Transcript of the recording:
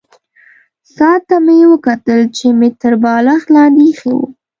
ساعت ته مې وکتل چې مې تر بالښت لاندې ایښی وو.